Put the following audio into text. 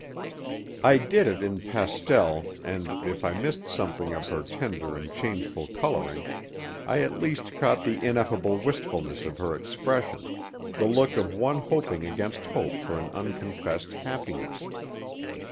_) I did it in pastel, and, if I missed something of her tender and changeful coloring, I at least caught the ineffable wistfulness of her expression, the look of one hoping against hope for an unconfessed happiness.